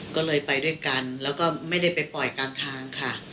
ก็เลยไปด้วยกันแล้วก็ไม่ได้ไปปล่อยกลางทางค่ะ